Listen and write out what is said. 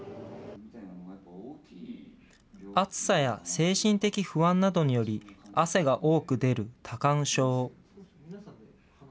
暑さや精神的不安などにより、汗が多く出る多汗症。